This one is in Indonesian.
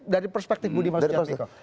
dari perspektif budi masyarakat